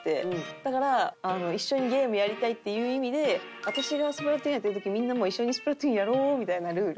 だから一緒にゲームやりたいっていう意味で私が『スプラトゥーン』やってる時みんなも一緒に『スプラトゥーン』やろうみたいなルール。